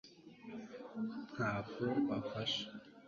ntabwo bafasha